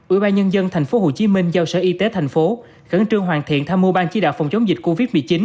ủy ban nhân dân tp hcm giao sở y tế tp hcm khẩn trương hoàn thiện tham mưu ban chỉ đạo phòng chống dịch covid một mươi chín